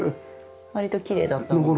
割ときれいだったので。